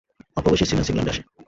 অল্পবয়সেই Siemens ইংল্যান্ডে আসে।